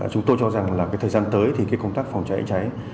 chúng tôi cho rằng là thời gian tới thì công tác phòng cháy cháy